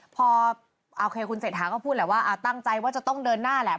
พอโอเคคุณเศรษฐาก็พูดแหละว่าตั้งใจว่าจะต้องเดินหน้าแหละ